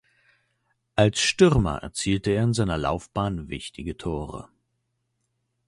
Als Stürmer erzielte er in seiner Laufbahn wichtige Tore.